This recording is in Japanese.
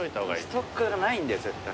ストックがないんだよ絶対。